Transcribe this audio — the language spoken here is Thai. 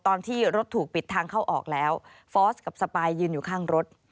ตอนที่รถถูกปิดทางเข้าออกแล้วฟอร์สกับสปายยืนอยู่ข้างรถ